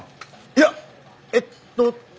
いやえっと